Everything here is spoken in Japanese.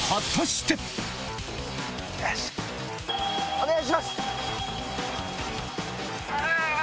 お願いします。